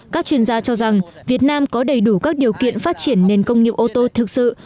các chuyên gia cho rằng việt nam có đầy đủ các điều kiện phát triển nền công nghiệp ô tô thực sự